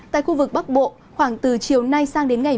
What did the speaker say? tại khu vực bắc bộ khoảng từ chiều nay sang đến ngày